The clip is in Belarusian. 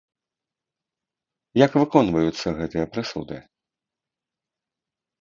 Як выконваюцца гэтыя прысуды?